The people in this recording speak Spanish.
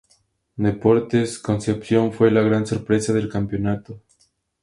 Deportes Concepción fue la gran sorpresa del campeonato.